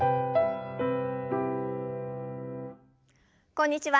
こんにちは。